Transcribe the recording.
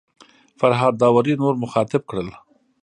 فرهاد داوري نور مخاطب کړل.